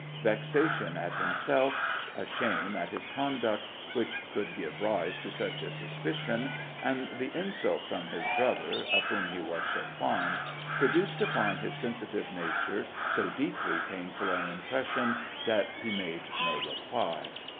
Vexation at himself, a shame at his conduct, which could give rise to such a suspicion, and the insult from his brother, of whom he was so fond, produced upon his sensi tive nature so deeply painful an impression that he made no reply.